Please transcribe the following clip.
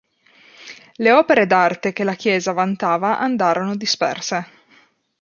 Le opere d'arte che la chiesa vantava andarono disperse.